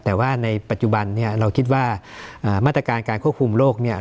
แต่ว่าในปัจจุบันเนี่ยเราคิดว่ามาตรการการควบคุมโรคเนี่ย